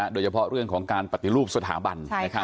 โดยเฉพาะเรื่องของการปฏิรูปสถาบัน